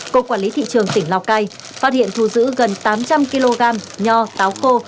cục quản lý thị trường tỉnh lào cai phát hiện thu giữ gần tám trăm linh kg nho táo khô